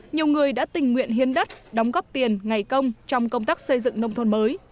nhiều người đã tình nguyện hiên đất đóng góp tiền ngày công trong công tác xây dựng nông thôn mới